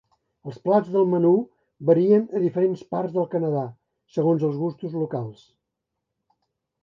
Els plats del menú varien a diferents parts del Canadà, segons els gustos locals.